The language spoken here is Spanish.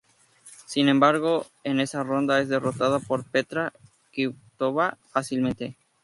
Sin embargo, en esa ronda es derrotada por Petra Kvitová fácilmente.